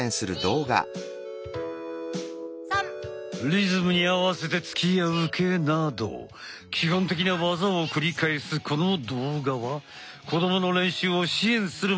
リズムに合わせて突きや受けなど基本的な技を繰り返すこの動画は子どもの練習を支援する